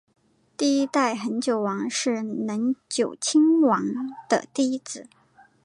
第一代恒久王是能久亲王的第一子。